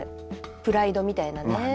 プライドみたいなね。